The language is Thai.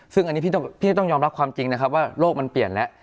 ซึ่งอันนี้พี่ต้องยอมรับความจริงนะครับว่าโลกมันเปลี่ยนแล้ว